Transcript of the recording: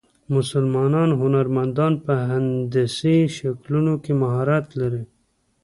مسلمان هنرمندان په هندسي شکلونو کې مهارت لري.